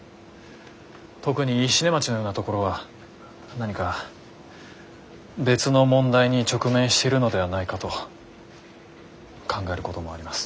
特に石音町のようなところは何か別の問題に直面してるのではないかと考えることもあります。